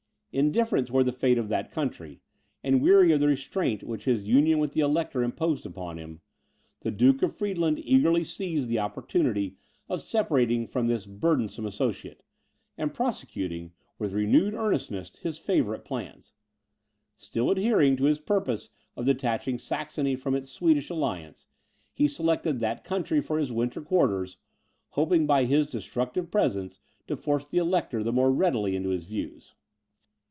Indifferent towards the fate of that country, and weary of the restraint which his union with the Elector imposed upon him, the Duke of Friedland eagerly seized the opportunity of separating from this burdensome associate, and prosecuting, with renewed earnestness, his favourite plans. Still adhering to his purpose of detaching Saxony from its Swedish alliance, he selected that country for his winter quarters, hoping by his destructive presence to force the Elector the more readily into his views.